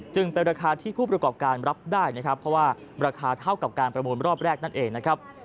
เป็นราคาที่ผู้ประกอบการรับได้นะครับเพราะว่าราคาเท่ากับการประมูลรอบแรกนั่นเองนะครับ